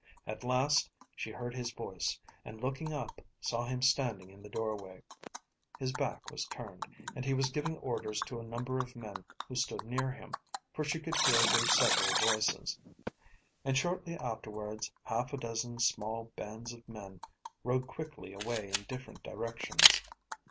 At last she heard his voice and, looking up, saw him standing in the doorway. His back was turned, and he was giving orders to a number of men who stood near him, for she could hear their several voices; and shortly afterwards half a dozen small bands of men rode quickly away in different directions.